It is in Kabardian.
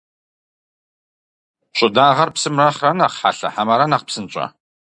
ЩӀыдагъэр псым нэхърэ нэхъ хьэлъэ хьэмэрэ нэхъ псынщӀэ?